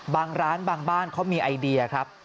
บางร้านบางบ้านเขามีไอเดียครับ